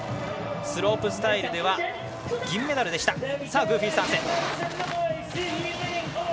スロープスタイルでは銀メダルでした。